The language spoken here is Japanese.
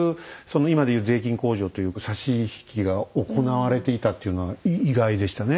今で言う税金控除というか差し引きが行われていたっていうのは意外でしたね。